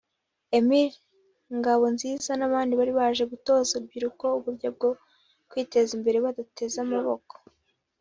Emile Ngabonziza n’abandi bari baje gutoza urubyiruko uburyo bwo kwiteza imbere badateze amaboko